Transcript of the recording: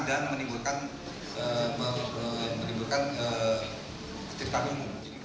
dan menimbulkan ketertarungan